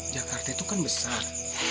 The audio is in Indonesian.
jakarta itu kan besar